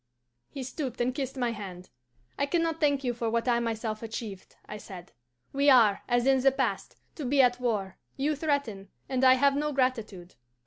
He stooped and kissed my hand. 'I can not thank you for what I myself achieved,' I said. 'We are, as in the past, to be at war, you threaten, and I have no gratitude.